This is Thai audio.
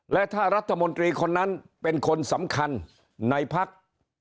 และถ้ารัฐมนตรีคนนั้นเป็นคนสำคัญในพัก